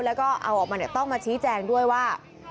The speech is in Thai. แล้วก็เอาออกมาต้องมาชี้แจงด้วยว่า